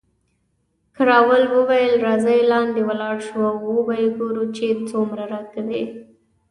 کراول وویل، راځئ لاندې ولاړ شو او وو به ګورو چې څومره راکوي.